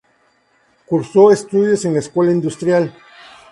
Cursó estudios en la Escuela Industrial.